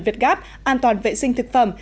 việt gáp an toàn vệ sinh thực phẩm